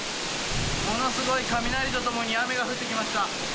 ものすごい雷と共に雨が降ってきました。